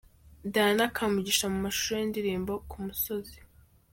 Diana Kamugisha mu mashusho y'indirimbo 'Ku musozi'.